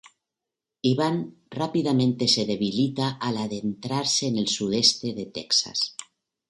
Iván rápidamente se debilita al adentrarse en el sudeste de Texas.